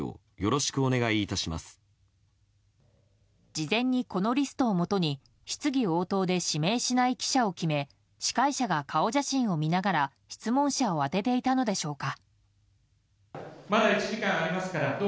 事前にこのリストをもとに、質疑応答で指名しない記者を決め司会者が顔写真を見ながら質問者を当てていたのでしょうか。